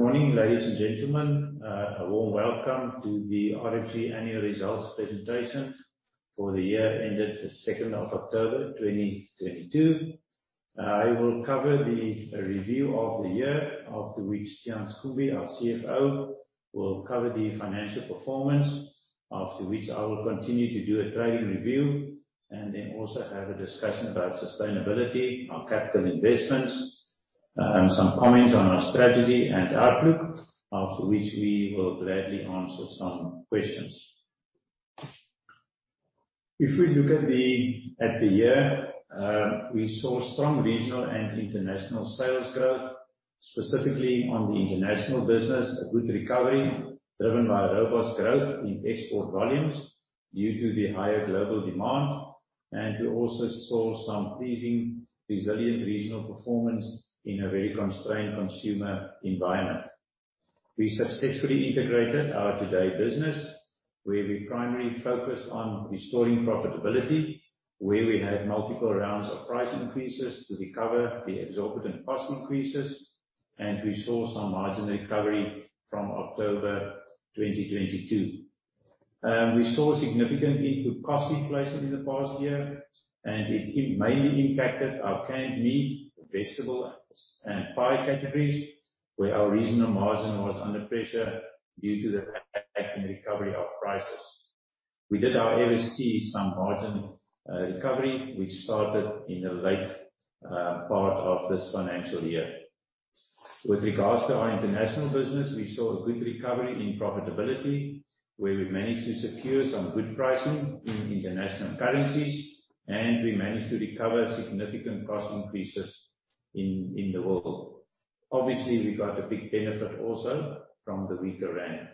Good morning, ladies and gentlemen. A warm welcome to the RFG annual results presentation for the year ended the 2nd of October 2022. I will cover the review of the year after which Tiaan Schoombie, our CFO, will cover the financial performance. After which I will continue to do a trading review and then also have a discussion about sustainability, our capital investments, some comments on our strategy and outlook, after which we will gladly answer some questions. If we look at the year, we saw strong regional and international sales growth, specifically on the international business, a good recovery driven by robust growth in export volumes due to the higher global demand. We also saw some pleasing resilient regional performance in a very constrained consumer environment. We successfully integrated our Today business, where we primarily focused on restoring profitability, where we had multiple rounds of price increases to recover the exorbitant cost increases, and we saw some margin recovery from October 2022. We saw significantly to cost inflation in the past year, and it mainly impacted our canned meat, vegetable and pie categories, where our regional margin was under pressure due to the impact and recovery of prices. We did however see some margin recovery which started in the late part of this financial year. With regards to our international business, we saw a good recovery in profitability, where we managed to secure some good pricing in international currencies, and we managed to recover significant cost increases in the world. Obviously, we got a big benefit also from the weaker rand.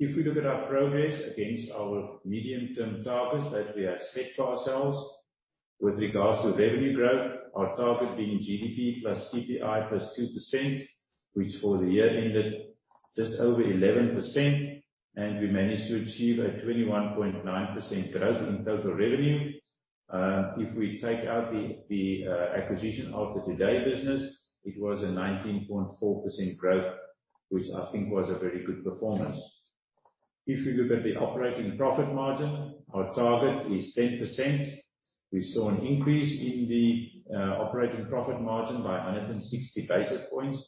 If we look at our progress against our medium term targets that we have set for ourselves. With regards to revenue growth, our target being GDP plus CPI +2%, which for the year ended just over 11%, We managed to achieve a 21.9% growth in total revenue. If we take out the acquisition of the Today business, it was a 19.4% growth, which I think was a very good performance. If we look at the operating profit margin, our target is 10%. We saw an increase in the operating profit margin by 160 basis points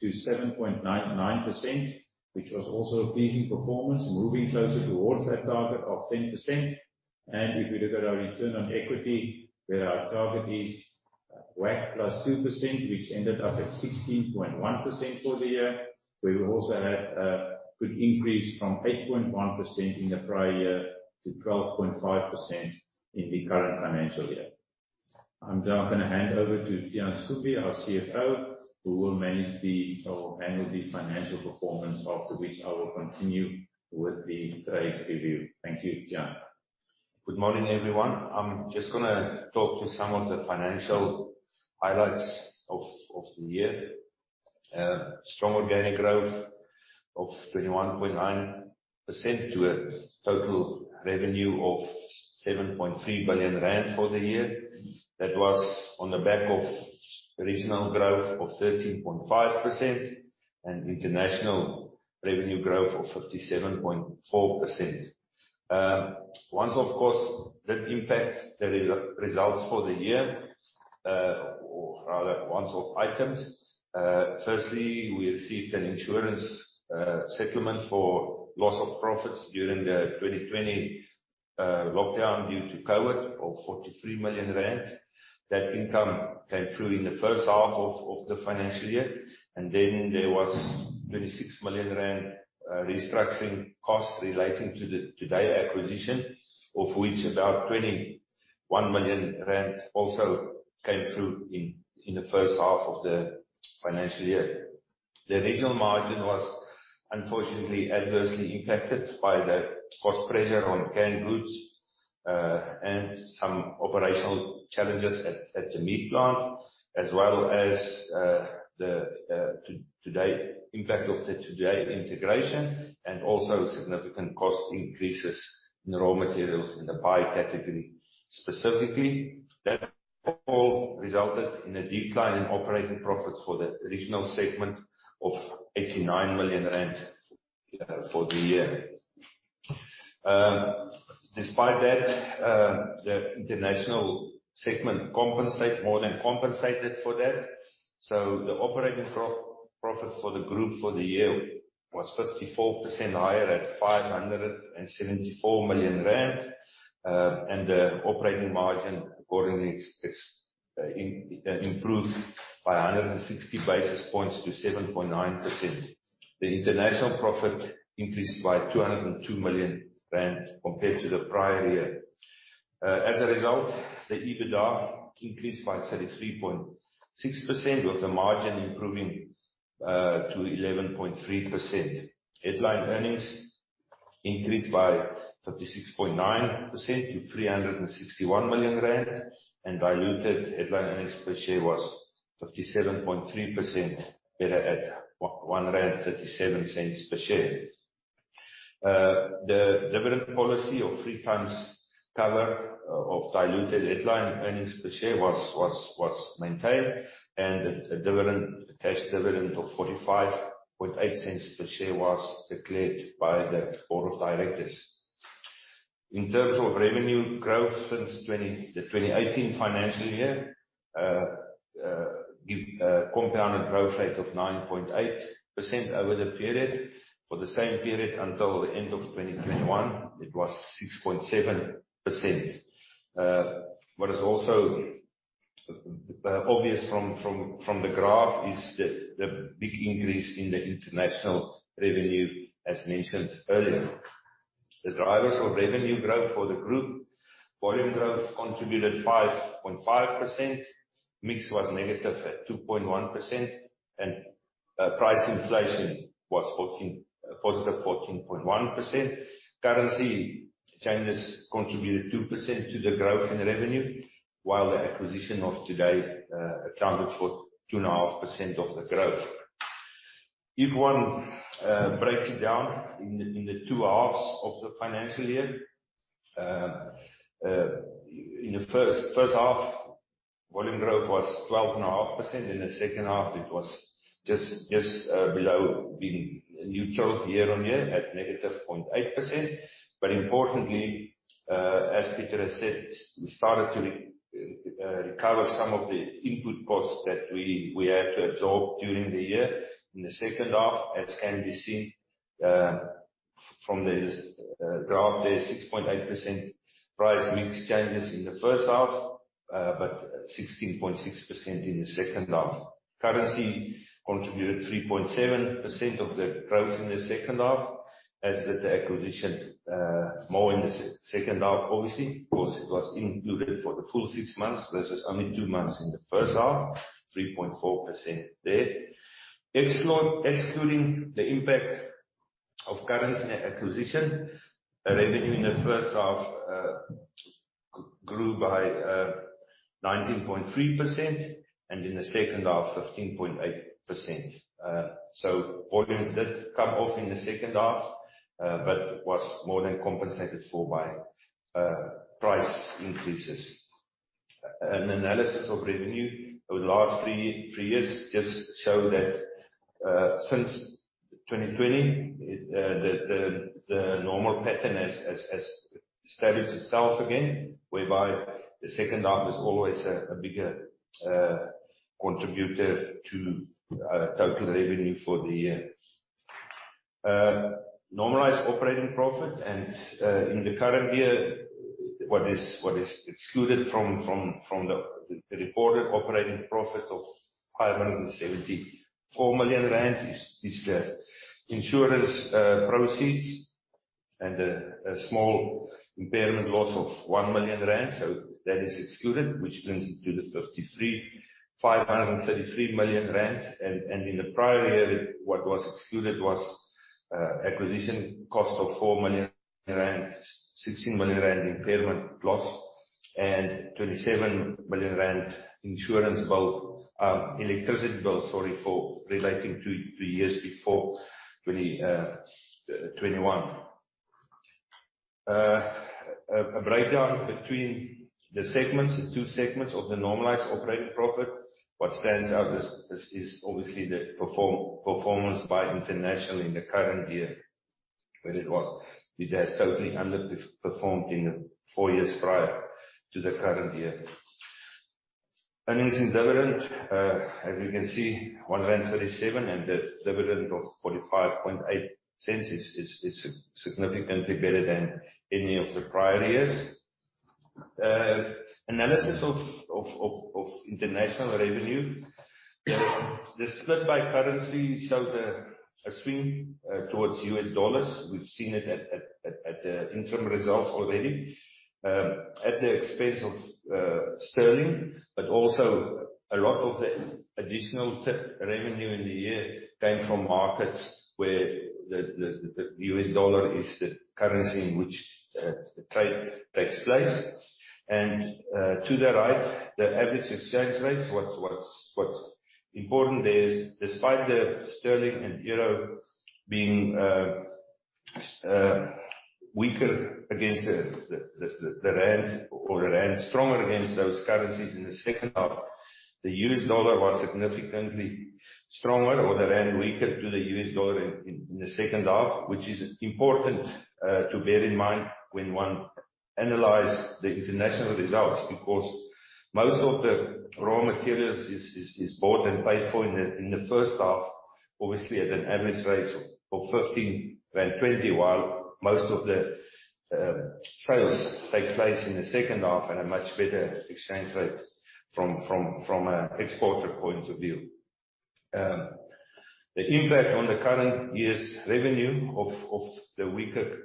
to 7.99%, which was also a pleasing performance, moving closer towards that target of 10%. If we look at our return on equity, where our target is WAC + 2%, which ended up at 16.1% for the year. We also had a good increase from 8.1% in the prior year to 12.5% in the current financial year. I'm now gonna hand over to Tiaan Schoombie, our CFO, who will handle the financial performance, after which I will continue with the trade review. Thank you. Tiaan. Good morning, everyone. I'm just gonna talk to some of the financial highlights of the year. Strong organic growth of 21.9% to a total revenue of 7.3 billion rand for the year. That was on the back of regional growth of 13.5% and international revenue growth of 57.4%. Once, of course, that impact the re-results for the year, or rather once off items. Firstly, we received an insurance settlement for loss of profits during the 2020 lockdown due to COVID of 43 million rand. That income came through in the first half of the financial year. Then there was 26 million rand restructuring costs relating to the Today acquisition, of which about 21 million rand also came through in the first half of the financial year. The regional margin was unfortunately adversely impacted by the cost pressure on canned goods, and some operational challenges at the meat plant, as well as the Today impact of the Today integration and also significant cost increases in raw materials in the pie category specifically. That all resulted in a decline in operating profits for the regional segment of 89 million rand for the year. Despite that, the international segment more than compensated for that. The operating profit for the group for the year was 54% higher at 574 million rand. The operating margin accordingly is improved by 160 basis points to 7.9%. The international profit increased by 202 million rand compared to the prior year. As a result, the EBITDA increased by 33.6%, with the margin improving to 11.3%. Headline earnings increased by 36.9% to 361 million rand. Diluted headline earnings per share was 37.3% better at 1.37 per share. The dividend policy of three times cover of diluted headline earnings per share was maintained, and a cash dividend of 0.458 per share was declared by the board of directors. In terms of revenue growth since the 2018 financial year, give a compounded growth rate of 9.8% over the period. For the same period until the end of 2021, it was 6.7%. What is also obvious from the graph is the big increase in the international revenue, as mentioned earlier. The drivers of revenue growth for the group. Volume growth contributed 5.5%. Mix was negative at 2.1%. Price inflation was positive 14.1%. Currency changes contributed 2% to the growth in revenue, while the acquisition of Today accounted for 2.5% of the growth. If one breaks it down in the two halves of the financial year, in the first half, volume growth was 12.5%. In the second half, it was just below being neutral year on year at negative 0.8%. Importantly, as Pieter has said, we started to recover some of the input costs that we had to absorb during the year in the second half, as can be seen from this graph there, 6.8% price mix changes in the first half, but 16.6% in the second half. Currency contributed 3.7% of the growth in the second half, as did the acquisition, more in the second half obviously, because it was included for the full six months versus only two months in the first half, 3.4% there. Excluding the impact of currency and acquisition, revenue in the first half grew by 19.3% and in the second half, 15.8%. Volumes did come off in the second half, but was more than compensated for by price increases. An analysis of revenue over the last three years just show that since 2020, the normal pattern has established itself again, whereby the second half is always a bigger contributor to total revenue for the year. Normalized operating profit and in the current year, what is excluded from the reported operating profit of 574 million rand is the insurance proceeds and a small impairment loss of 1 million rand. That is excluded, which brings it to 533 million rand. In the prior year, what was excluded was acquisition cost of 4 million rand, 16 million rand impairment loss, and 27 million rand insurance bill. Electricity bill, sorry, for relating to years before 2021. A breakdown between the segments, the two segments of the normalized operating profit. What stands out is obviously the performance by international in the current year, where it has totally underperformed in the four years prior to the current year. Earnings and dividend, as we can see, 1.37 rand, and the dividend of 0.458 is significantly better than any of the prior years. Analysis of international revenue. The split by currency shows a swing towards US dollars. We've seen it at the interim results already. At the expense of GBP, also a lot of the additional tip revenue in the year came from markets where the US dollar is the currency in which the trade takes place. To the right, the average exchange rates. What's important there is despite the GBP and EUR being weaker against the ZAR or the ZAR stronger against those currencies in the second half, the US dollar was significantly stronger or the ZAR weaker to the US dollar in the second half. Which is important to bear in mind when one analyze the international results, because most of the raw materials is bought and paid for in the first half, obviously at an average rate of 15.20 rand, while most of the sales take place in the second half at a much better exchange rate from an exporter point of view. The impact on the current year's revenue of the weaker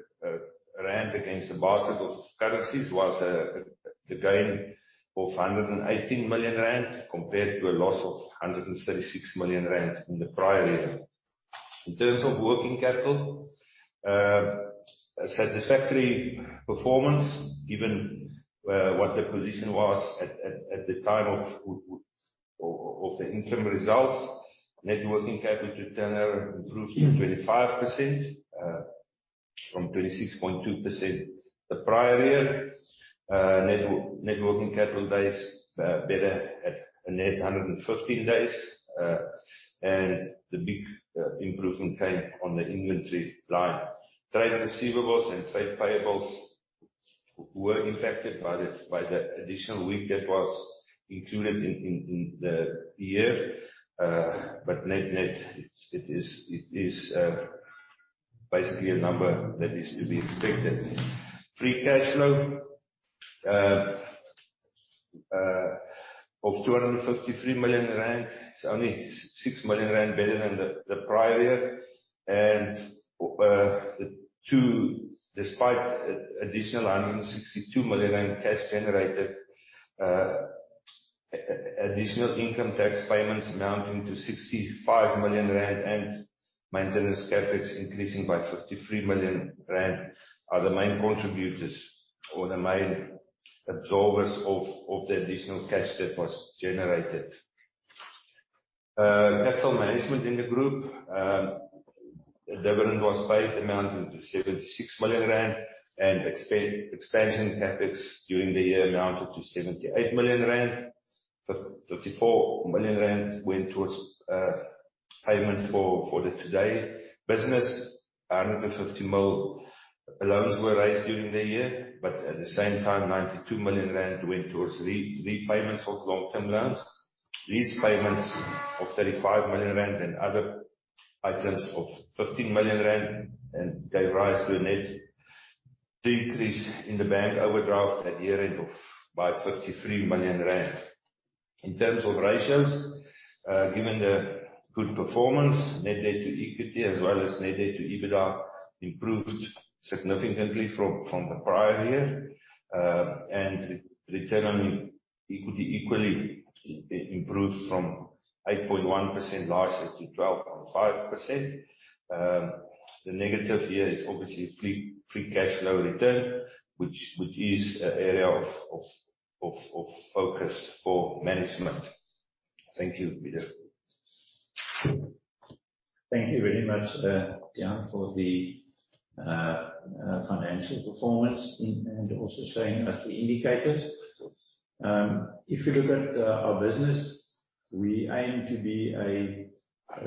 rand against the basket of currencies was a gain of 118 million rand compared to a loss of 136 million rand in the prior year. In terms of working capital, a satisfactory performance given what the position was at the time of the interim results. Net working capital turnover improved to 25% from 26.2% the prior year. Net working capital days, better at a net 115 days. The big improvement came on the inventory line. Trade receivables and trade payables were affected by the additional week that was included in the year. Net-net it is basically a number that is to be expected. Free cash flow of 253 million rand. It's only 6 million rand better than the prior year. Two... Despite additional 162 million cash generated, additional income tax payments amounting to 65 million rand and maintenance CapEx increasing by 53 million rand are the main contributors or the main absorbers of the additional cash that was generated. Capital management in the group. A dividend was paid amounting to 76 million rand and expansion CapEx during the year amounted to 78 million rand. 54 million rand went towards payment for the Today business. 150 million loans were raised during the year, at the same time, 92 million rand went towards repayments of long-term loans. Lease payments of 35 million rand and other items of 15 million rand gave rise to a net decrease in the bank overdraft at year-end of by 53 million rand. In terms of ratios, given the good performance, net debt to equity as well as net debt to EBITDA improved significantly from the prior year. Return on equity equally improved from 8.1% last year to 12.5%. The negative here is obviously free cash flow return, which is an area of focus for management. Thank you, Pieter. Thank you very much, Tiaan, for the financial performance and also showing us the indicators. If you look at our business, we aim to be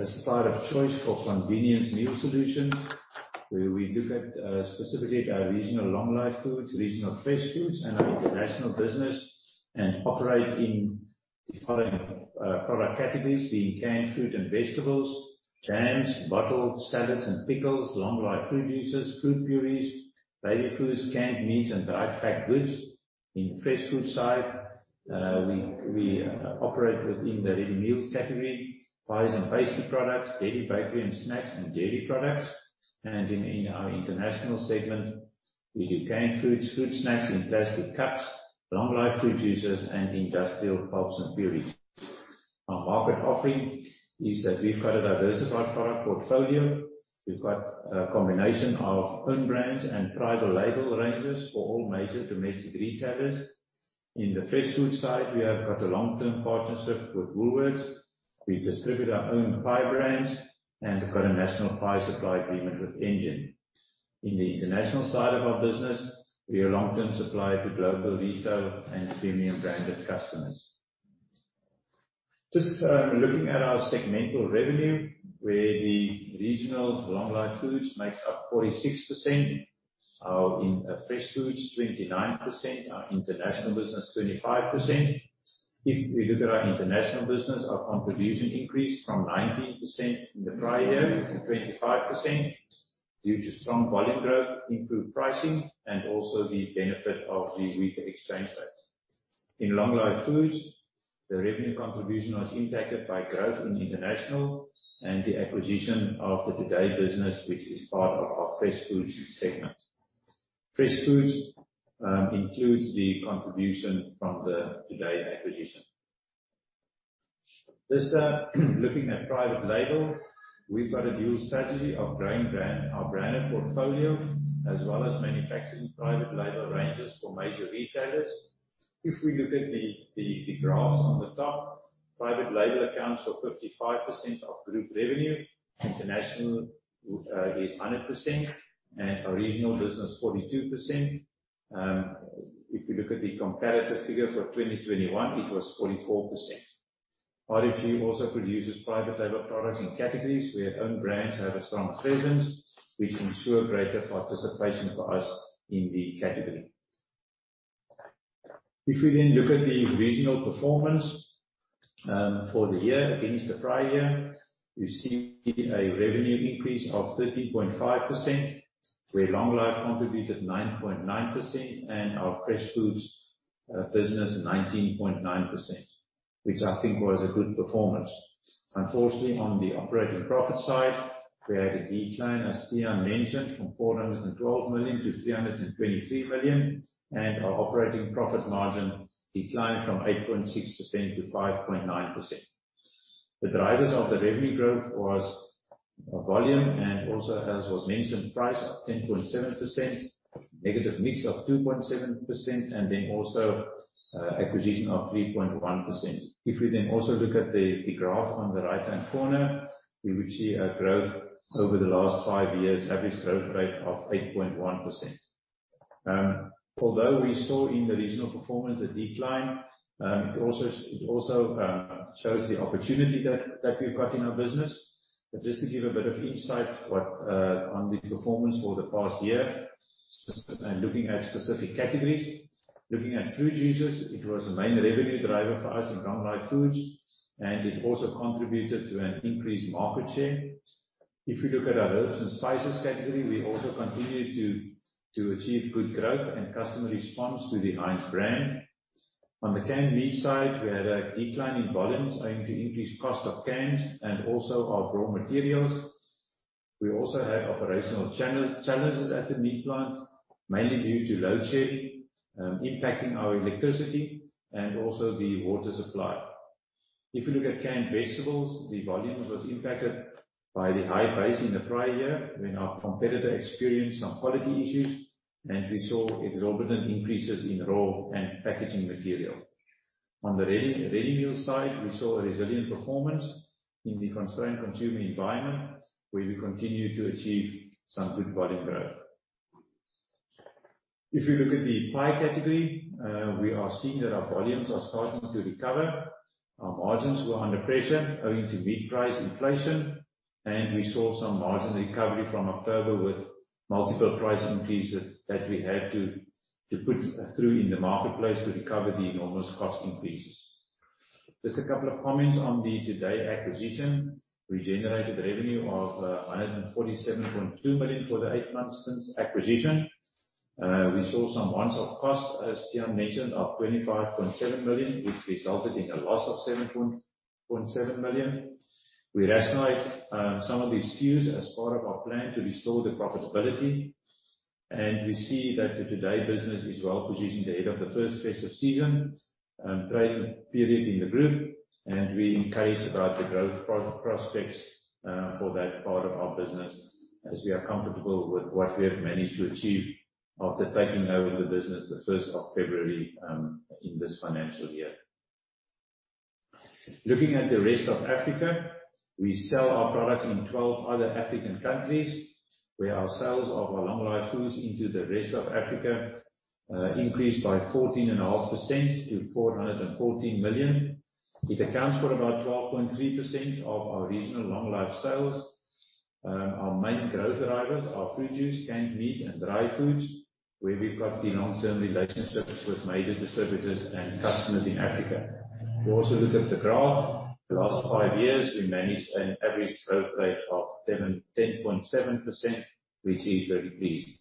a supplier of choice for convenience meal solutions, where we look at specifically at our regional long life foods, regional fresh foods, and our international business. Operate in the following product categories, being canned fruit and vegetables, jams, bottles, salads and pickles, long life fruit juices, fruit purees, baby foods, canned meats, and dry packed goods. In fresh foods side, we operate within the ready meals category, pies and pastry products, dairy, bakery and snacks and dairy products. In our international segment, we do canned foods, fruit snacks in plastic cups, long life fruit juices, and industrial pulps and purees. Our market offering is that we've got a diversified product portfolio. We've got a combination of own brands and private label ranges for all major domestic retailers. In the fresh food side, we have got a long-term partnership with Woolworths. We distribute our own pie brands and we've got a national pie supply agreement with Engen. In the international side of our business, we are a long-term supplier to global retail and premium branded customers. Just looking at our segmental revenue, where the regional long life foods makes up 46%, in fresh foods 29%, our international business 25%. If we look at our international business, our contribution increased from 19% in the prior year to 25% due to strong volume growth, improved pricing, and also the benefit of the weaker exchange rates. In long life foods, the revenue contribution was impacted by growth in international and the acquisition of the Today business, which is part of our fresh foods segment. Fresh foods includes the contribution from the Today acquisition. Just looking at private label, we've got a dual strategy of growing our branded portfolio, as well as manufacturing private label ranges for major retailers. If we look at the graphs on the top, private label accounts for 55% of group revenue. International is 100% and our regional business 42%. If you look at the comparative figure for 2021, it was 44%. RFG also produces private label products in categories where own brands have a strong presence, which ensure greater participation for us in the category. If we look at the regional performance, for the year against the prior year, you see a revenue increase of 13.5%, where long life contributed 9.9% and our fresh foods business 19.9%, which I think was a good performance. Unfortunately, on the operating profit side, we had a decline, as Tiaan mentioned, from 412 million to 323 million, and our operating profit margin declined from 8.6% to 5.9%. The drivers of the revenue growth was volume, and also, as was mentioned, price up 10.7%, negative mix of 2.7%, also, acquisition of 3.1%. We then also look at the graph on the right-hand corner, we would see a growth over the last five years, average growth rate of 8.1%. Although we saw in the regional performance a decline, it also shows the opportunity that we've got in our business. Just to give a bit of insight on the performance for the past year, and looking at specific categories. Looking at fruit juices, it was the main revenue driver for us in long life foods, and it also contributed to an increased market share. We look at our herbs and spices category, we also continued to achieve good growth and customer response to the Heinz brand. On the canned meat side, we had a decline in volumes owing to increased cost of cans and also our raw materials. We also had operational channel challenges at the meat plant, mainly due to load shedding, impacting our electricity and also the water supply. The volumes was impacted by the high base in the prior year when our competitor experienced some quality issues, and we saw exorbitant increases in raw and packaging material. On the ready meal side, we saw a resilient performance in the constrained consumer environment, where we continued to achieve some good volume growth. We look at the pie category, we are seeing that our volumes are starting to recover. Our margins were under pressure owing to meat price inflation. We saw some margin recovery from October with multiple price increases that we had to put through in the marketplace to recover the enormous cost increases. Just a couple of comments on the Today acquisition. We generated revenue of 147.2 million for the eight months since acquisition. We saw some once off costs, as Tiaan mentioned, of 25.7 million, which resulted in a loss of 7.7 million. We rationalized some of the SKUs as part of our plan to restore the profitability, and we see that the Today business is well-positioned ahead of the first festive season, trading period in the group, and we're encouraged about the growth prospects for that part of our business as we are comfortable with what we have managed to achieve after taking over the business the first of February, in this financial year. Looking at the rest of Africa, we sell our product in 12 other African countries, where our sales of our long life foods into the rest of Africa increased by 14.5% to 414 million. It accounts for about 12.3% of our regional long life sales. Our main growth drivers are fruit juice, canned meat, and dry foods, where we've got the long-term relationships with major distributors and customers in Africa. If we also look at the graph, the last five years, we managed an average growth rate of 10.7%, which is very pleasing.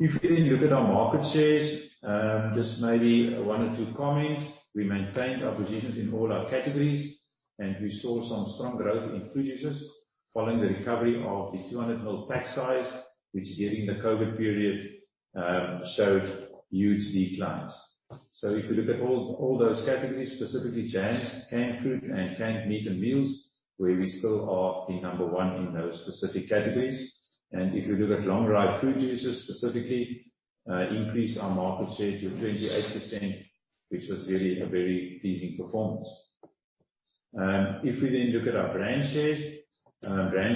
If we look at our market shares, just maybe one or two comments. We maintained our positions in all our categories, and we saw some strong growth in fruit juices following the recovery of the 200 ml pack size, which during the COVID period, showed huge declines. If you look at all those categories, specifically jams, canned fruit and canned meat and meals, where we still are the number one in those specific categories. If you look at long life fruit juices specifically, increased our market share to 28%, which was really a very pleasing performance. Brand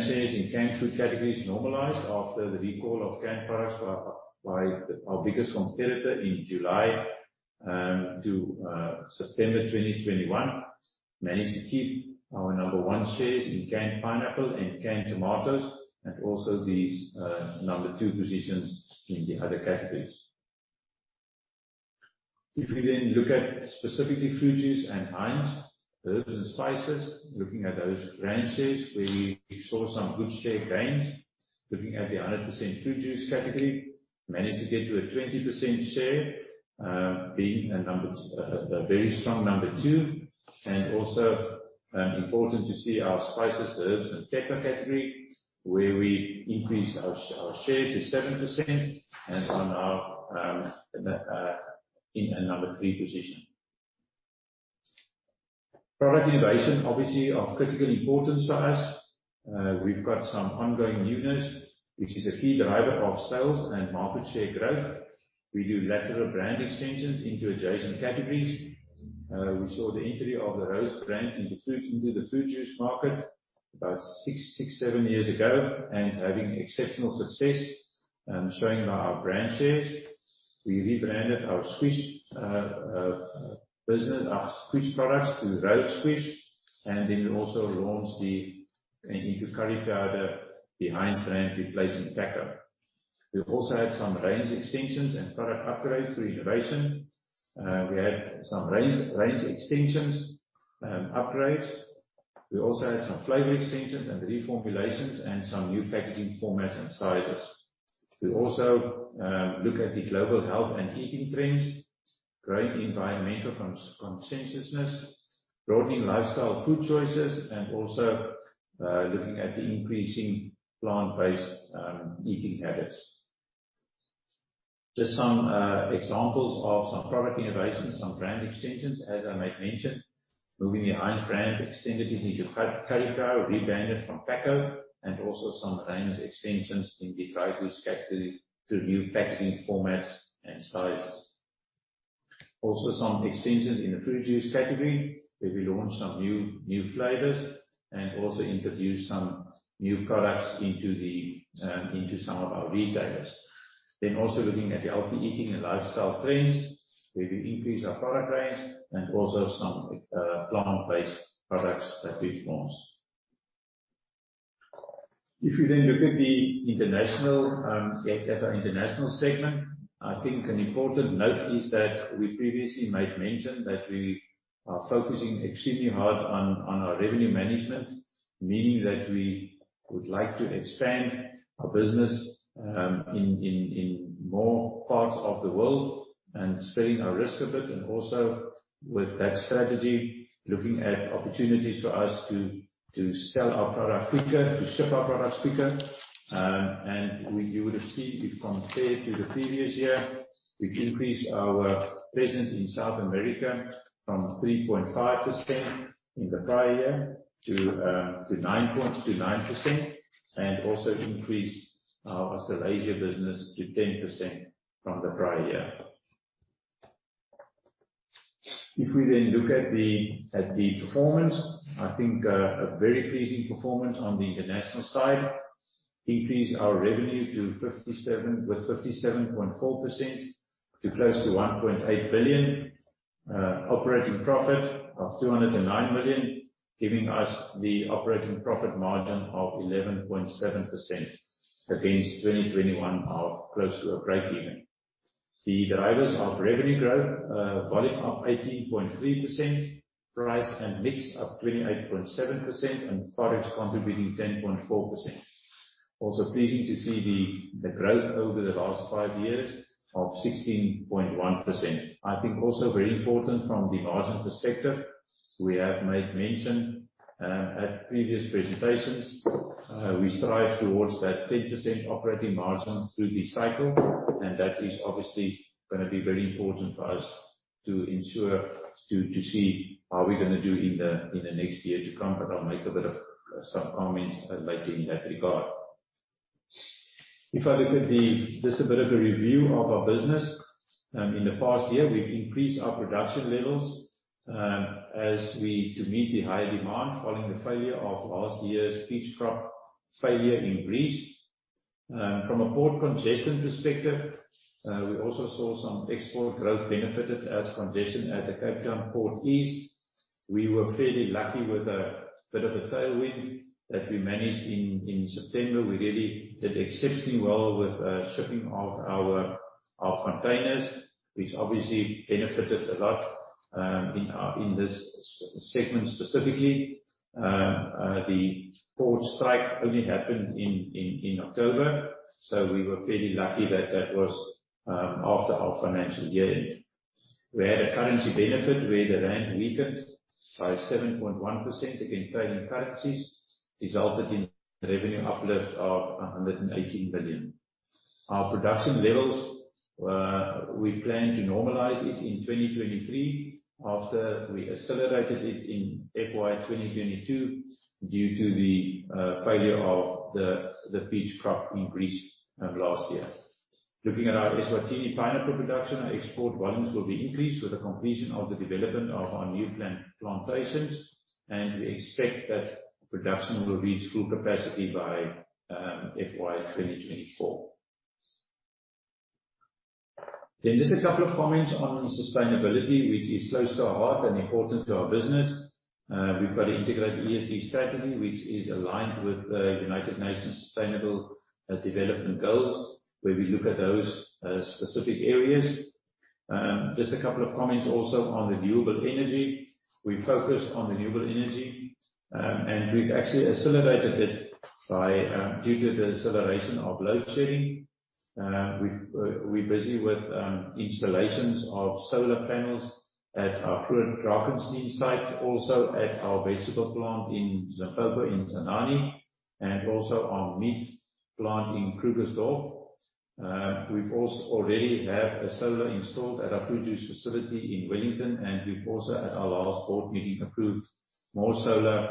shares in canned food categories normalized after the recall of canned products by our biggest competitor in July to September 2021. Managed to keep our number one shares in canned pineapple and canned tomatoes, and also number two positions in the other categories. Looking at those brand shares where we saw some good share gains. Looking at the 100% fruit juice category, managed to get to a 20% share, being a very strong number two, and also important to see our spices, herbs and ketchup category, where we increased our share to 7% and are now in a number three position. Product innovation obviously of critical importance for us. We've got some ongoing newness, which is a key driver of sales and market share growth. We do lateral brand extensions into adjacent categories. We saw the entry of the Rhodes brand into the food juice market about six, seven years ago, and having exceptional success, showing by our brand shares. We rebranded our Squish business, our Squish products to Rhodes Squish, and then we also launched into curry powder, the Heinz brand replacing Pakco. We've also had some range extensions and product upgrades through innovation. We had some range extensions, upgrades. We also had some flavor extensions and reformulations and some new packaging formats and sizes. We also look at the global health and eating trends, growing environmental consciousness, broadening lifestyle food choices, and also looking at the increasing plant-based eating habits. Just some examples of some product innovations, some brand extensions. As I made mention, moving the Heinz brand extended into califo, rebranded from Pakco, and also some range extensions in the dry goods category through new packaging formats and sizes. Some extensions in the fruit juice category, where we launched some new flavors and also introduced some new products into some of our retailers. Also looking at the healthy eating and lifestyle trends, where we increase our product range and also some plant-based products that we've launched. If you look at the international, at our international segment, I think an important note is that we previously made mention that we are focusing extremely hard on our revenue management. Meaning that we would like to expand our business, in more parts of the world and spreading our risk a bit and also with that strategy, looking at opportunities for us to sell our product quicker, to ship our products quicker. We... You would have seen if compared to the previous year, we've increased our presence in South America from 3.5% in the prior year to 9% and also increased our Australasia business to 10% from the prior year. We then look at the performance, I think, a very pleasing performance on the international side increased our revenue with 57.4% to close to 1.8 billion, operating profit of 209 million, giving us the operating profit margin of 11.7% against 2021 of close to a breakeven. The drivers of revenue growth, volume up 18.3%, price and mix up 28.7% and Forex contributing 10.4%. Also pleasing to see the growth over the last five years of 16.1%. I think also very important from the margin perspective, we have made mention at previous presentations, we strive towards that 10% operating margin through the cycle and that is obviously going to be very important for us to ensure to see how we're going to do in the next year to come. I will make a bit of some comments later in that regard. Just a bit of a review of our business. In the past year, we have increased our production levels to meet the higher demand following the failure of last year's peach crop failure in Greece. From a port congestion perspective, we also saw some export growth benefited as congestion at the Cape Town port eased. We were fairly lucky with a bit of a tailwind that we managed in September. We really did exceptionally well with shipping off our containers, which obviously benefited a lot in this segment specifically. The port strike only happened in October. We were fairly lucky that that was after our financial year-end. We had a currency benefit where the rand weakened by 7.1% against trading currencies, resulted in revenue uplift of 118 billion. Our production levels, we plan to normalize it in 2023 after we accelerated it in FY 2022 due to the failure of the peach crop in Greece last year. Looking at our Eswatini pineapple production, our export volumes will be increased with the completion of the development of our new plantations. We expect that production will reach full capacity by FY 2024. Just a couple of comments on sustainability, which is close to our heart and important to our business. We've got an integrated ESG strategy which is aligned with the United Nations Sustainable Development Goals, where we look at those specific areas. Just a couple of comments also on renewable energy. We focus on renewable energy. We've actually accelerated it due to the acceleration of load shedding. We're busy with installations of solar panels at our Fruit Drakenstein site, also at our vegetable plant in Mpophoma in Senani, and also our meat plant in Krugersdorp. We've also already have a solar installed at our fruit juice facility in Wellington, and we've also at our last board meeting, approved more solar,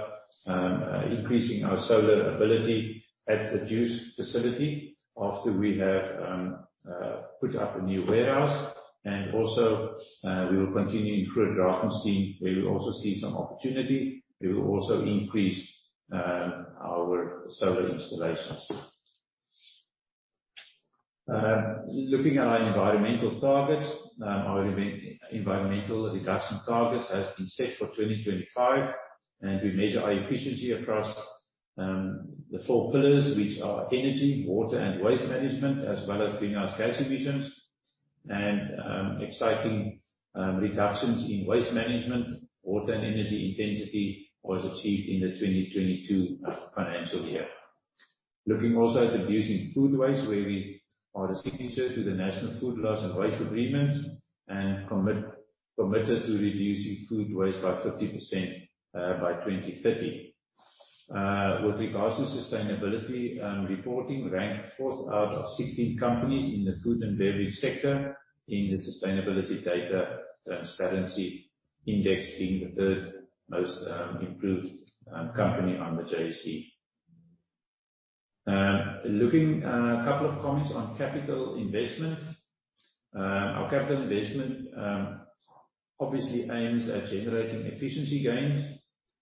increasing our solar ability at the juice facility after we have put up a new warehouse. Also, we will continue in Fruit Drakenstein, where we also see some opportunity. We will also increase our solar installations. Looking at our environmental targets. Our environmental reduction targets has been set for 2025, and we measure our efficiency across the four pillars, which are energy, water, and waste management as well as greenhouse gas emissions. Exciting reductions in waste management, water and energy intensity was achieved in the 2022 financial year. Looking also at reducing food waste, where we are a signature to the National Food Loss and Waste Agreement and committed to reducing food waste by 50% by 2030. With regards to sustainability, reporting ranked fourth out of 16 companies in the food and beverage sector in the Sustainability Data Transparency Index, being the third most improved company on the JSE. Looking, a couple of comments on capital investment. Our capital investment obviously aims at generating efficiency gains.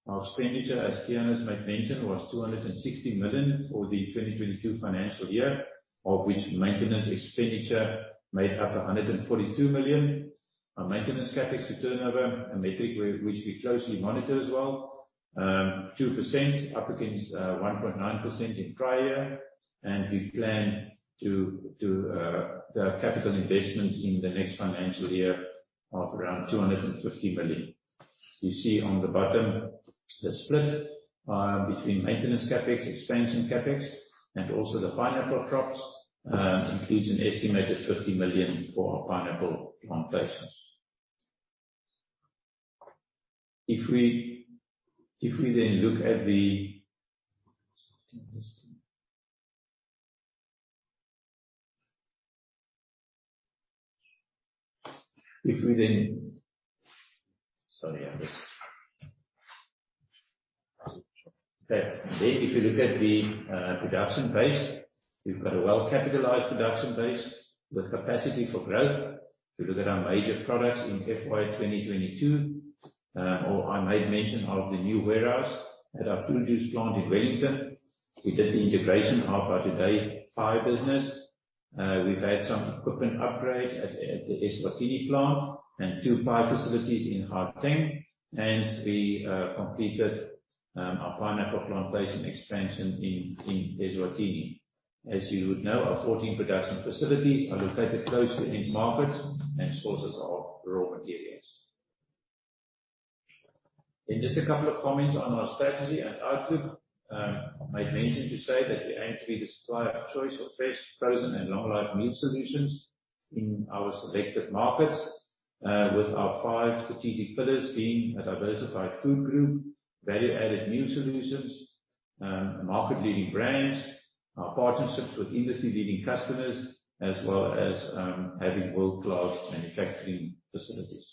Our expenditure, as Theunis made mention, was 260 million for the 2022 financial year, of which maintenance expenditure made up 142 million. Our maintenance CapEx to turnover, a metric which we closely monitor as well, 2% up against 1.9% in prior. We plan to have capital investments in the next financial year of around 250 million. You see on the bottom the split between maintenance CapEx, expansion CapEx, and also the pineapple crops includes an estimated ZAR 50 million for our pineapple plantations. If you look at the production base, we've got a well-capitalized production base with capacity for growth. If you look at our major products in FY 2022, or I made mention of the new warehouse at our fruit juice plant in Wellington. We did the integration of our Today pie business. We've had some equipment upgrades at the Eswatini plant and two pie facilities in Hartene, and we completed our pineapple plantation expansion in Eswatini. As you would know, our 14 production facilities are located close to end markets and sources of raw materials. Just a couple of comments on our strategy and outlook. I made mention to say that we aim to be the supplier of choice for fresh, frozen and long life meat solutions in our selected markets, with our five strategic pillars being a diversified food group, value-added new solutions, market-leading brands, our partnerships with industry-leading customers, as well as, having world-class manufacturing facilities.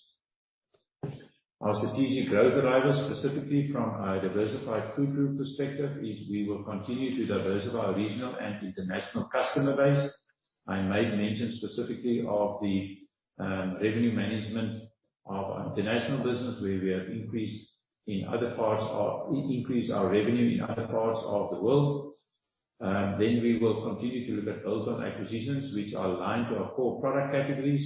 Our strategic growth drivers, specifically from a diversified food group perspective, is we will continue to diversify our regional and international customer base. I made mention specifically of the revenue management of our international business, where we have increased our revenue in other parts of the world. We will continue to look at built-on acquisitions which are aligned to our core product categories,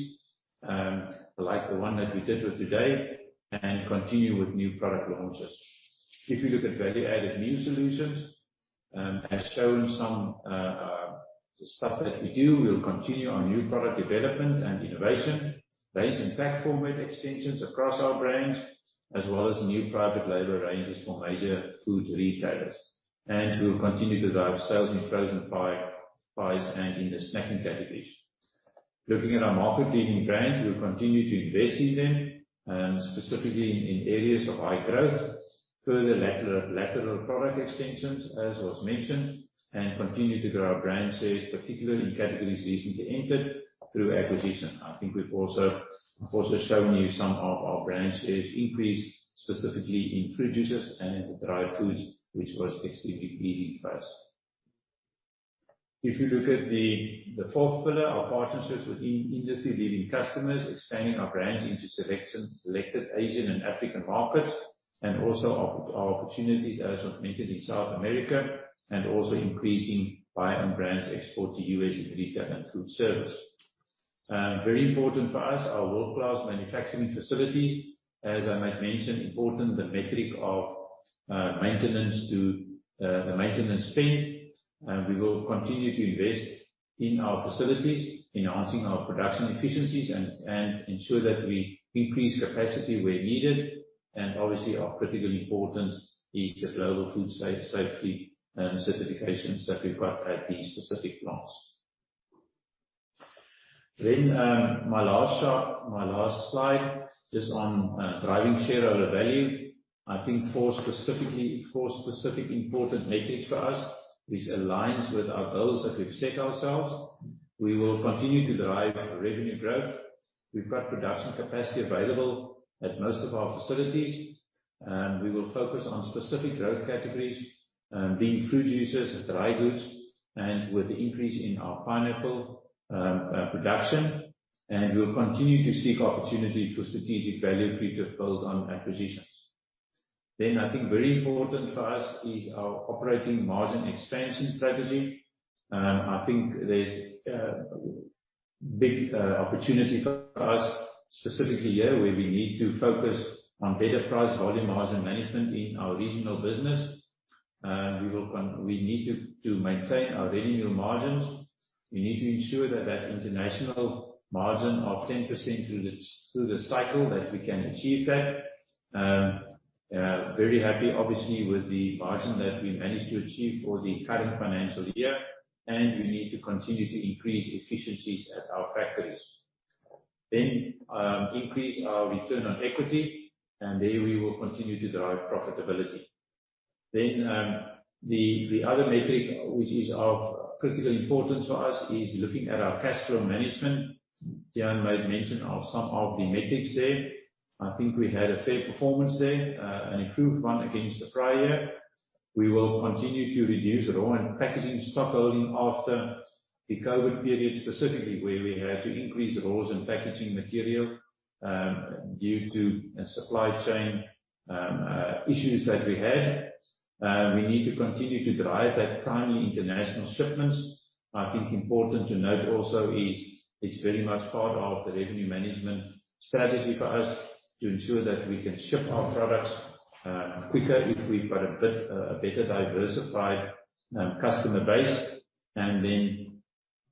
like the one that we did with Today, and continue with new product launches. If you look at value-added new solutions, as shown some stuff that we do, we'll continue our new product development and innovation range and platform with extensions across our brands, as well as new private label ranges for major food retailers. We will continue to drive sales in frozen pies and in the snacking categories. Looking at our market-leading brands, we'll continue to invest in them, specifically in areas of high growth. Further lateral product extensions, as was mentioned, and continue to grow our brand shares, particularly in categories recently entered through acquisition. I think we've also shown you some of our brand shares increase specifically in fruit juices and in the dry foods, which was extremely pleasing for us. If you look at the fourth pillar, our partnerships with industry leading customers, expanding our brands into selected Asian and African markets, and also opportunities, as was mentioned, in South America, and also increasing buy on brands export to U.S. retail and foodservice. Very important for us, our world-class manufacturing facilities. As I made mention, important the metric of maintenance to the maintenance spend. We will continue to invest in our facilities, enhancing our production efficiencies and ensure that we increase capacity where needed. Obviously, of critical importance is the global food safety certifications that we've got at these specific plants. My last slide is on driving shareholder value. I think four specific important metrics for us, which aligns with our goals that we've set ourselves. We will continue to drive revenue growth. We've got production capacity available at most of our facilities, and we will focus on specific growth categories, being fruit juices, dry goods, and with the increase in our pineapple production. We'll continue to seek opportunities for strategic value creative built-on acquisitions. I think very important for us is our operating margin expansion strategy. I think there's a big opportunity for us specifically here, where we need to focus on better price volume margin management in our regional business. We need to maintain our revenue margins. We need to ensure that international margin of 10% through the cycle, that we can achieve that. Very happy obviously with the margin that we managed to achieve for the current financial year, and we need to continue to increase efficiencies at our factories. Increase our return on equity, and there we will continue to drive profitability. The other metric which is of critical importance for us is looking at our cash flow management. Tiaan made mention of some of the metrics there. I think we had a fair performance there, an improved one against the prior year. We will continue to reduce raw and packaging stock holding after the COVID period, specifically where we had to increase raws and packaging material due to supply chain issues that we had. We need to continue to drive that timely international shipments. I think important to note also is it's very much part of the revenue management strategy for us to ensure that we can ship our products, quicker if we've got a bit, a better diversified, customer base.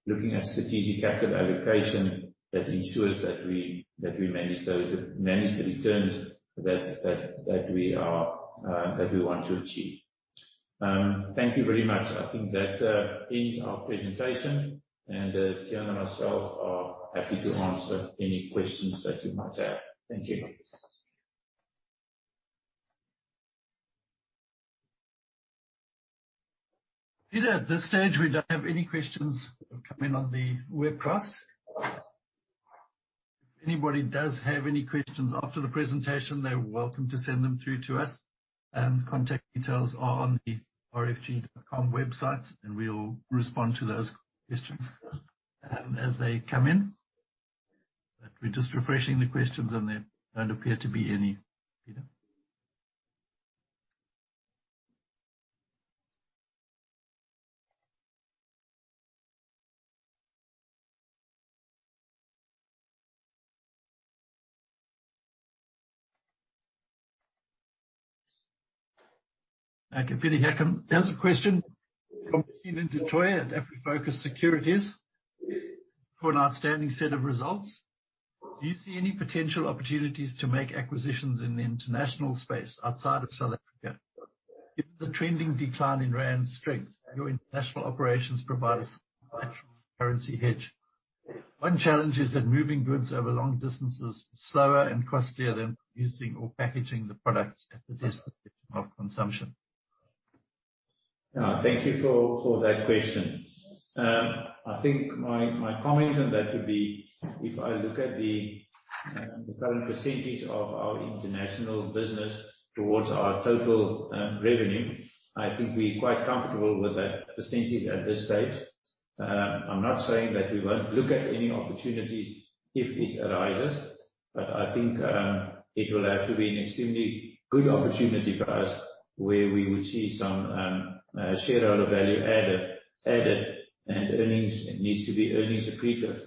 Looking at strategic capital allocation that ensures that we manage the returns that we want to achieve. Thank you very much. I think that ends our presentation. Tiaan and myself are happy to answer any questions that you might have. Thank you. Pieter, at this stage, we don't have any questions coming on the webcast. If anybody does have any questions after the presentation, they're welcome to send them through to us. Contact details are on the rfg.com website, and we'll respond to those questions as they come in. We're just refreshing the questions, and there don't appear to be any, Pieter. Okay, Pieter Hanekom. There's a question from Steven Detroia at AfriFocus Securities. For an outstanding set of results, do you see any potential opportunities to make acquisitions in the international space outside of South Africa? Given the trending decline in rand strength, your international operations provide a natural currency hedge. One challenge is that moving goods over long distances is slower and costlier than producing or packaging the products at the destination of consumption. Yeah. Thank you for that question. I think my comment on that would be if I look at the current percentage of our international business towards our total revenue, I think we're quite comfortable with that percentage at this stage. I'm not saying that we won't look at any opportunities if it arises, but I think it will have to be an extremely good opportunity for us where we would see some shareholder value added and earnings. It needs to be earnings accretive.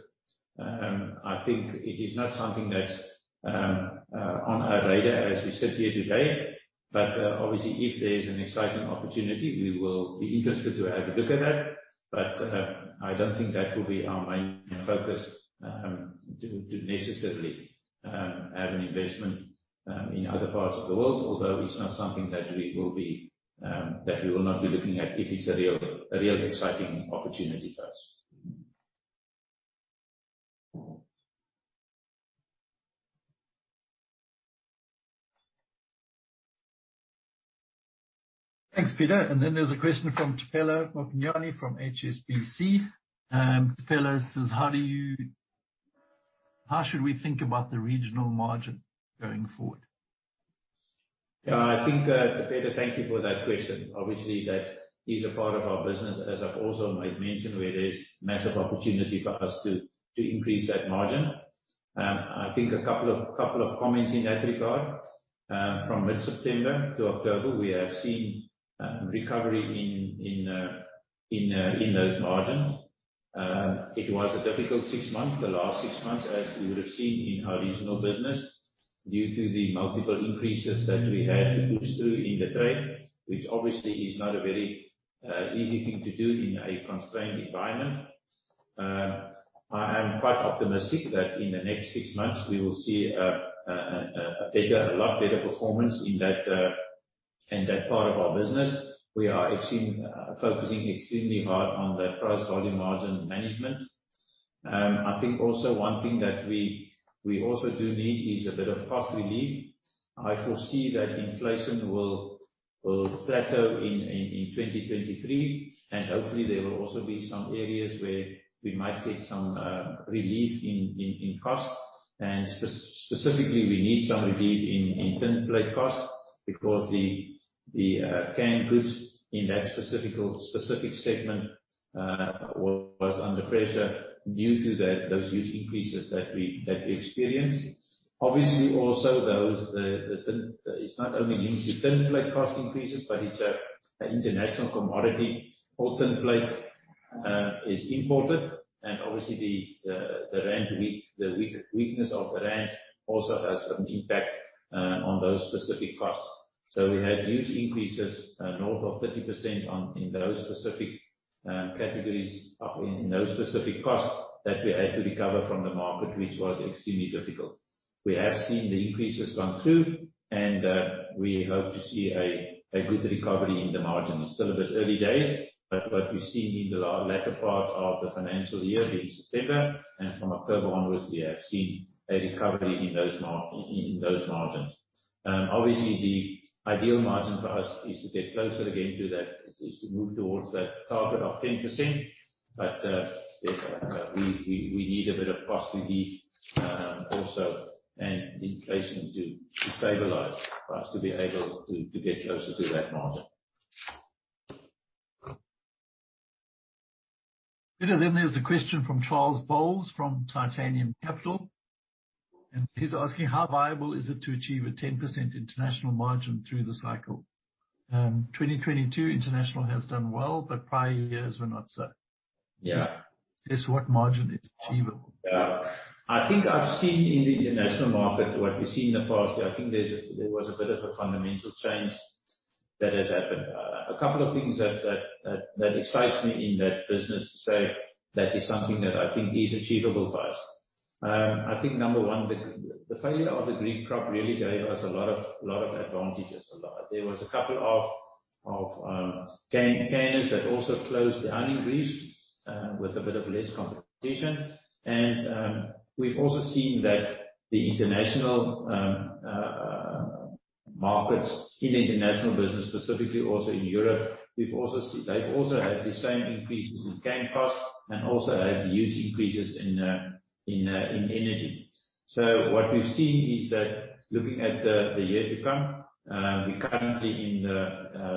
I think it is not something that on our radar as we sit here today, obviously if there's an exciting opportunity, we will be interested to have a look at that. I don't think that will be our main focus, to necessarily have an investment in other parts of the world. Although it's not something that we will be, that we will not be looking at if it's a real exciting opportunity for us. Thanks, Pieter. There's a question from Topelo Maponyane from HSBC. Topelo says, "How should we think about the regional margin going forward? Yeah, I think, Topelo, thank you for that question. Obviously, that is a part of our business, as I've also made mention, where there's massive opportunity for us to increase that margin. I think a couple of comments in that regard. From mid-September to October, we have seen recovery in those margins. It was a difficult six months, the last six months, as you would have seen in our regional business, due to the multiple increases that we had to push through in the trade, which obviously is not a very easy thing to do in a constrained environment. I am quite optimistic that in the next six months we will see a better, a lot better performance in that part of our business. focusing extremely hard on that price volume margin management. I think also one thing that we also do need is a bit of cost relief. I foresee that inflation will plateau in 2023, and hopefully there will also be some areas where we might get some relief in cost. Specifically, we need some relief in tin plate costs because the canned goods in that specific segment was under pressure due to those huge increases that we experienced. Obviously also those. It's not only linked to tin plate cost increases, but it's an international commodity. All tin plate is imported. Obviously the weakness of the rand also has an impact on those specific costs. We had huge increases, north of 30% on, in those specific categories of in those specific costs that we had to recover from the market, which was extremely difficult. We have seen the increases come through, we hope to see a good recovery in the margins. Still a bit early days, what we've seen in the latter part of the financial year in September and from October onwards, we have seen a recovery in those margins. Obviously the ideal margin for us is to get closer again to that. Is to move towards that target of 10%. Yeah, we need a bit of cost relief, also and inflation to stabilize for us to be able to get closer to that margin. Pieter, there's a question from Charles Boles from Titanium Capital, he's asking: How viable is it to achieve a 10% international margin through the cycle? 2022 international has done well, but prior years were not so. Yeah. Just what margin is achievable? Yeah. I think there was a bit of a fundamental change that has happened. A couple of things that excites me in that business to say that is something that I think is achievable for us. I think number one, the failure of the Greek crop really gave us a lot of advantages. There was a couple of can-caners that also closed down in Greece, with a bit of less competition. We've also seen that the international markets in international business, specifically also in Europe, they've also had the same increases in can cost and also have huge increases in energy. What we've seen is that looking at the year to come, we're currently in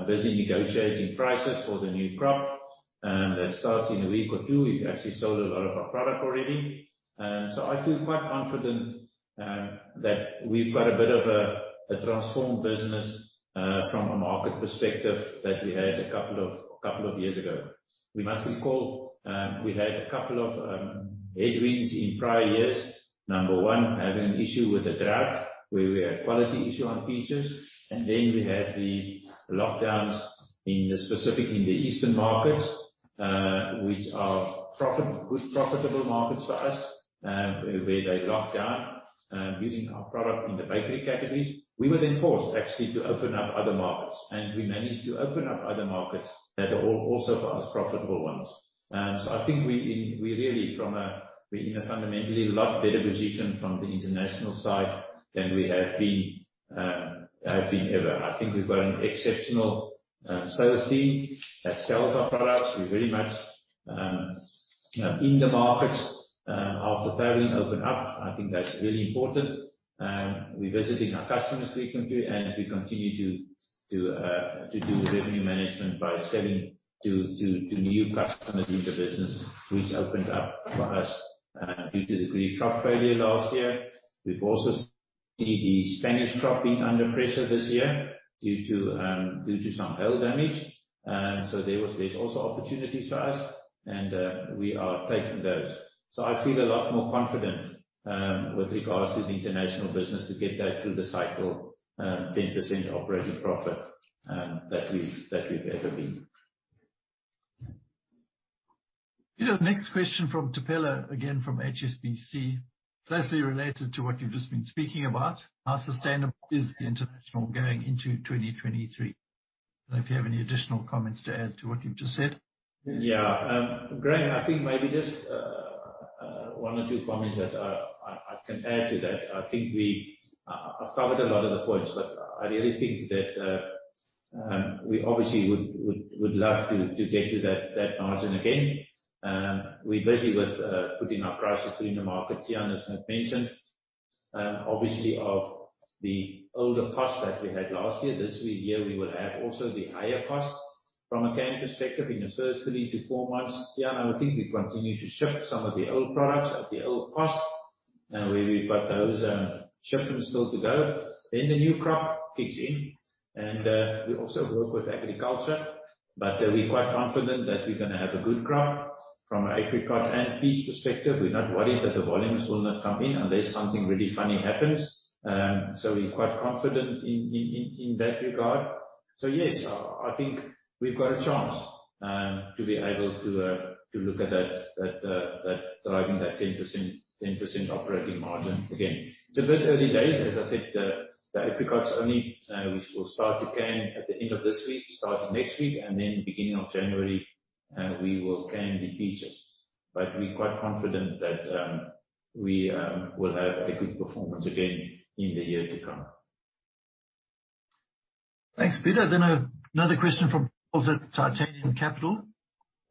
busy negotiating prices for the new crop that starts in a week or two. We've actually sold a lot of our product already. I feel quite confident that we've got a bit of a transformed business from a market perspective that we had a couple of years ago. We must recall, we had a couple of headwinds in prior years. Number one, having an issue with the drought where we had quality issue on peaches, and then we had the lockdowns in the specific eastern markets, which are good profitable markets for us, where they locked down using our product in the bakery categories. We were then forced actually to open up other markets, we managed to open up other markets that are also, for us, profitable ones. I think we really from a fundamentally a lot better position from the international side than we have been, have been ever. I think we've got an exceptional sales team that sells our products. We're very much in the markets after having opened up. I think that's really important. We're visiting our customers frequently, we continue to do revenue management by selling to new customers in the business which opened up for us due to the Greek crop failure last year. We've also see the Spanish crop being under pressure this year due to some hail damage. There was, there's also opportunities for us, and we are taking those. I feel a lot more confident with regards to the international business to get that through the cycle, 10% operating profit that we've ever been. Pieter, the next question from Topelo again from HSBC, closely related to what you've just been speaking about. How sustainable is the international going into 2023? If you have any additional comments to add to what you've just said. Graham, I think maybe just one or two comments that I can add to that. I think I've covered a lot of the points, I really think that we obviously would love to get to that margin again. We're busy with putting our prices through in the market, Tiaan has not mentioned. Obviously of the older costs that we had last year, this year we will have also the higher costs from a can perspective in the first three to four months. Tiaan, I think we continue to ship some of the old products at the old cost, where we've got those shipments still to go. The new crop kicks in. We also work with agriculture, we're quite confident that we're gonna have a good crop from apricot and peach perspective. We're not worried that the volumes will not come in unless something really funny happens. We're quite confident in that regard. Yes, I think we've got a chance to be able to look at that driving that 10% operating margin again. It's a bit early days, as I said. The apricots only, we will start to can at the end of this week, start next week, and then beginning of January, we will can the peaches. We're quite confident that we will have a good performance again in the year to come. Thanks, Pieter. Another question from Charles at Titanium Capital.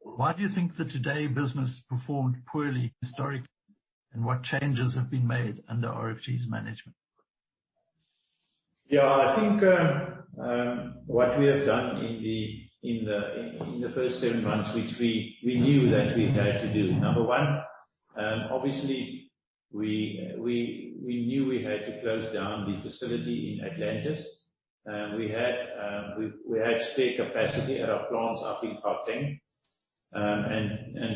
Why do you think the Today business performed poorly historically, and what changes have been made under RFG's management? Yeah. I think what we have done in the first seven months, which we knew that we had to do. Number one, obviously we knew we had to close down the facility in Atlantis. We had spare capacity at our plants up in Fouten.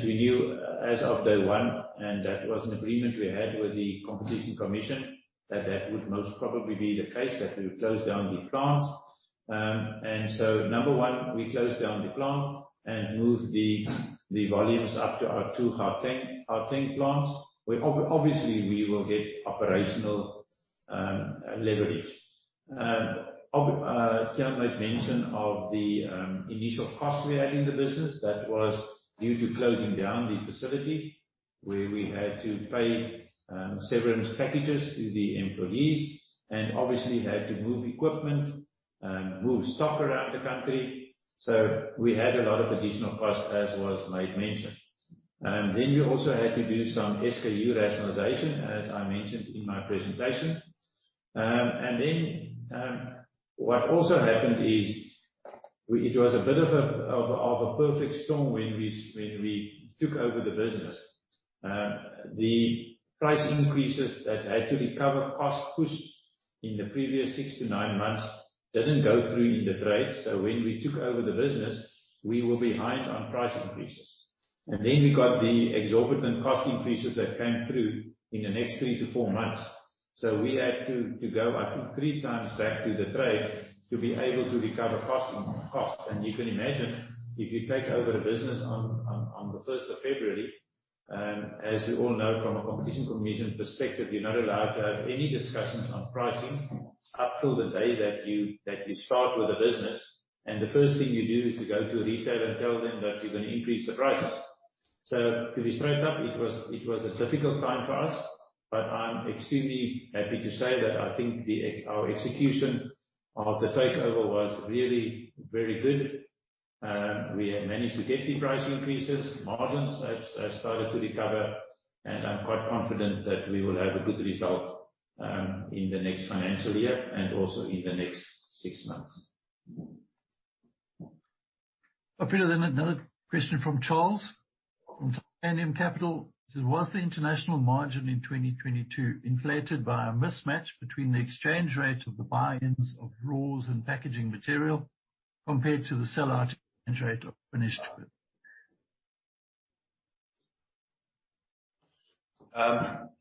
We knew as of day one, and that was an agreement we had with the Competition Commission, that that would most probably be the case, that we would close down the plant. So number one, we closed down the plant and moved the volumes up to our two Hartenk plants, where obviously we will get operational leverage. Tiaan made mention of the initial cost we had in the business. That was due to closing down the facility where we had to pay severance packages to the employees, and obviously had to move equipment, move stock around the country. We had a lot of additional costs, as was made mention. We also had to do some SKU rationalization, as I mentioned in my presentation. What also happened is it was a bit of a perfect storm when we took over the business. The price increases that had to recover cost push in the previous six-nine months didn't go through in the trade. When we took over the business, we were behind on price increases. We got the exorbitant cost increases that came through in the next three-four months. We had to go, I think, three times back to the trade to be able to recover cost. You can imagine if you take over a business on the first of February, as we all know from a Competition Commission perspective, you're not allowed to have any discussions on pricing up till the day that you start with the business. The first thing you do is to go to a retailer and tell them that you're gonna increase the prices. To be straight up, it was a difficult time for us, but I'm extremely happy to say that I think our execution of the takeover was really very good. We have managed to get the price increases. Margins have started to recover, and I'm quite confident that we will have a good result in the next financial year and also in the next six months. Another question from Charles from Titanium Capital. It says, "Was the international margin in 2022 inflated by a mismatch between the exchange rate of the buy-ins of raws and packaging material compared to the sellout exchange rate of finished goods?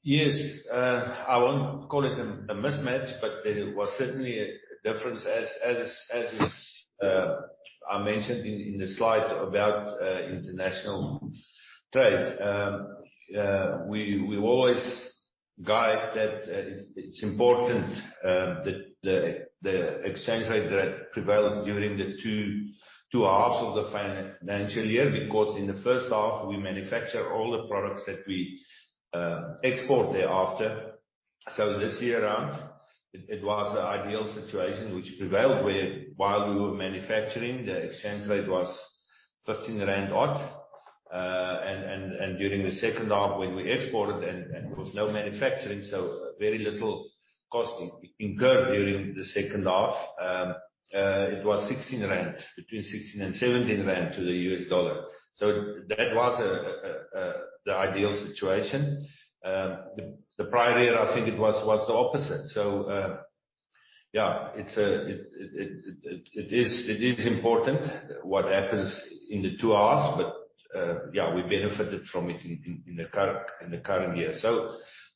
Yes. I won't call it a mismatch, but there was certainly a difference as is, I mentioned in the slide about international trade. We always guide that it's important that the exchange rate that prevails during the two halves of the financial year, because in the first half we manufacture all the products that we export thereafter. This year around it was the ideal situation which prevailed where while we were manufacturing the exchange rate was 15 rand odd. And during the second half when we exported and there was no manufacturing, so very little cost incurred during the second half, it was 16 rand. Between 16 and 17 rand to the US dollar. That was the ideal situation. The prior year I think it was the opposite. Yeah, it is important what happens in the two halves. Yeah, we benefited from it in the current year.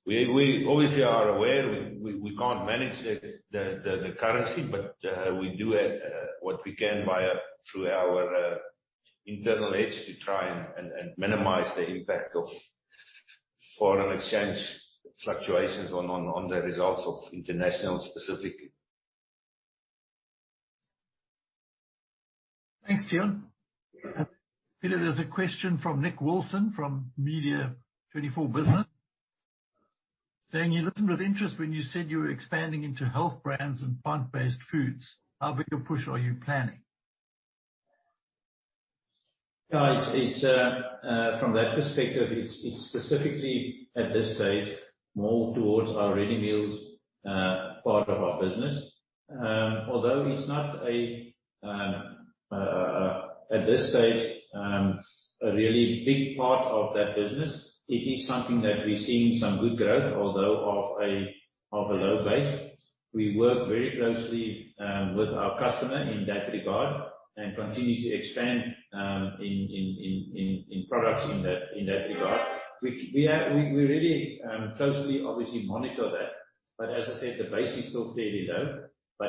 We obviously are aware we can't manage the currency, but we do what we can via through our internal edge to try and minimize the impact of foreign exchange fluctuations on the results of international specifically. Thanks, Tiaan. Pieter, there's a question from Nick Wilson from Media24 business, saying, "We listened with interest when you said you were expanding into health brands and plant-based foods. How big a push are you planning? Yeah. It's, it's from that perspective, it's specifically at this stage more towards our ready meals part of our business. Although it's not a at this stage a really big part of that business, it is something that we're seeing some good growth although of a low base. We work very closely with our customer in that regard and continue to expand in products in that regard. We really closely obviously monitor that, as I said, the base is still fairly low.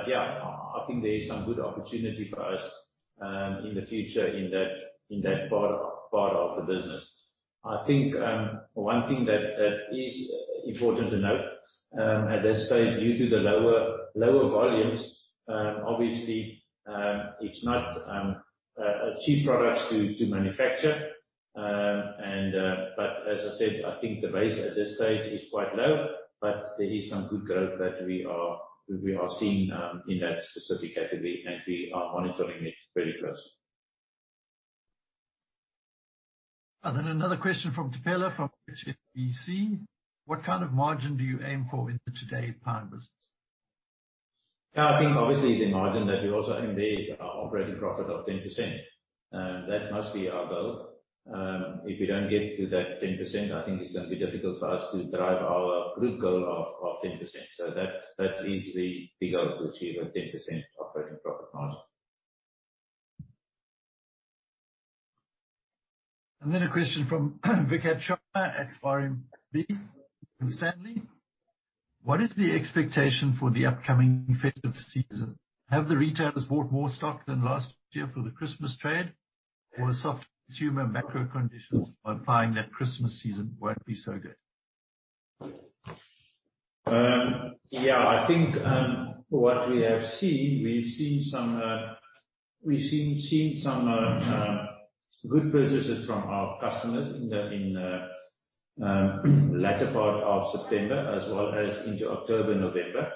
Yeah, I think there is some good opportunity for us in the future in that part of the business. I think, one thing that is important to note, at this stage, due to the lower volumes, obviously, it's not a cheap product to manufacture. As I said, I think the base at this stage is quite low, but there is some good growth that we are seeing in that specific category, and we are monitoring it very closely. Another question from Tapela from HSBC. What kind of margin do you aim for in the Today pie business? I think obviously the margin that we're also aiming there is our operating profit of 10%. That must be our goal. If we don't get to that 10%, I think it's gonna be difficult for us to drive our group goal of 10%. That is the goal, to achieve a 10% operating profit margin. A question from Vikash Chana at RMB Morgan Stanley. What is the expectation for the upcoming festive season? Have the retailers bought more stock than last year for the Christmas trade or soft consumer macro conditions implying that Christmas season won't be so good? I think what we have seen, we've seen some good purchases from our customers in the latter part of September as well as into October, November.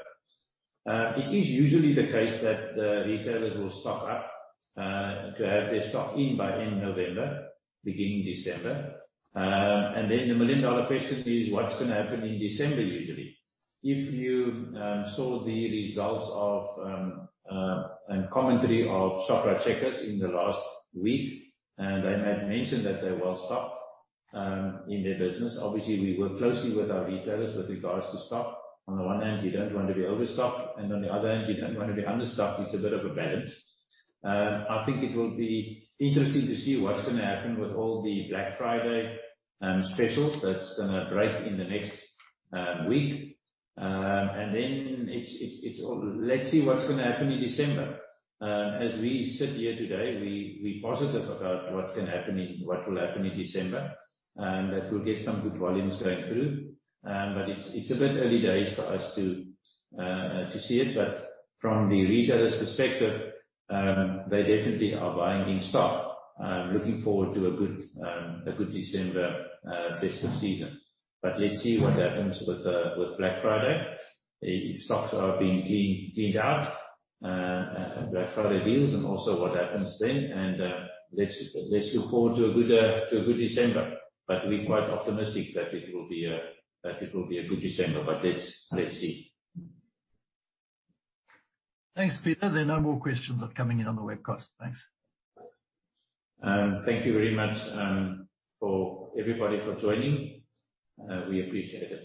It is usually the case that the retailers will stock up to have their stock in by end November, beginning December. The million-dollar question is what's gonna happen in December usually. If you saw the results of and commentary of Shoprite Checkers in the last week, they might mention that they well-stocked in their business. Obviously, we work closely with our retailers with regards to stock. On the one hand, you don't want to be overstocked, and on the other hand, you don't wanna be understocked. It's a bit of a balance. I think it will be interesting to see what's gonna happen with all the Black Friday specials that's gonna break in the next week. Then it's all... Let's see what's gonna happen in December. As we sit here today, we positive about what will happen in December, that we'll get some good volumes going through. It's a bit early days for us to see it. From the retailer's perspective, they definitely are buying in stock. Looking forward to a good, a good December festive season. Let's see what happens with Black Friday. The stocks are being cleaned out, Black Friday deals and also what happens then. Let's look forward to a good December, but we're quite optimistic that it will be a good December. Let's see. Thanks, Pieter. There are no more questions coming in on the webcast. Thanks. Thank you very much for everybody for joining. We appreciate it.